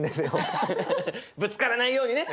ぶつからないようにね。